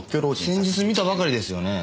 先日見たばかりですよね。